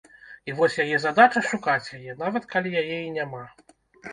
І вось яе задача шукаць яе, нават калі яе і няма.